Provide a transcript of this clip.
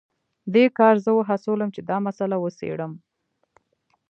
دې کار زه وهڅولم چې دا مسله وڅیړم